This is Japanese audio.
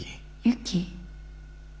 ユキ？